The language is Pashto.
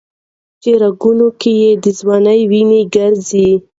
چي رګونو كي دي ځوانه وينه ګرځي